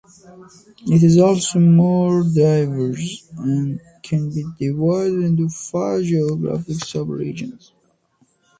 It is also more diverse, and can be divided into five geographic sub-regions.